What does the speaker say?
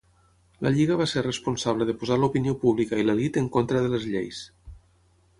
La Lliga va ser responsable de posar l'opinió pública i l'elit en contra de les lleis.